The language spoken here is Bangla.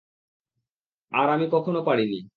আর আমি কখনো পারিনি।